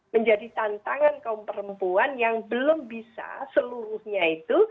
menjadi tantangan kaum perempuan yang belum bisa seluruhnya itu